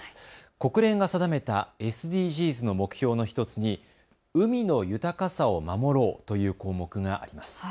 国連が定めたＳＤＧｓの目標の１つに海の豊かさを守ろうという項目があります。